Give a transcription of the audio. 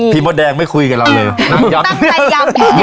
พี่มดแดงไม่คุยกับเราเลย